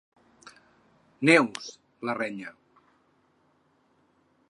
Neus —la renya.